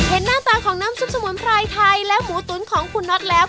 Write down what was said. หน้าตาของน้ำซุปสมุนไพรไทยและหมูตุ๋นของคุณน็อตแล้ว